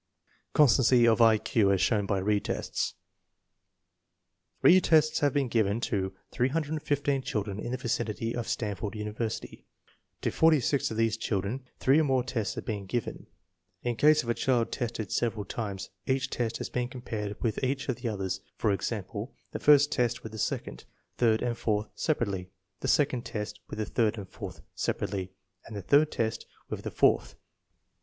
Constancy of I Q as shown by re tests. Re tests have been given to 315 children in the vicinity of Stan ford University. To 46 of these children three or more tests have been given. In case of a child tested several times, each test has been compared with each of the others; for example, the first test with the second, third and fourth separately, the second test with the third and fourth separately, and the third test with the fourth.